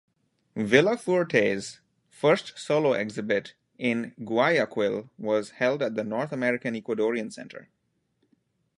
Villafuerte's first solo exhibit in Guayaquil was held at the North American Ecuadorian Center.